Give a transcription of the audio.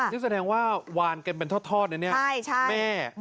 นี่แสดงว่าวานเก็บเป็นทอดนี่นะ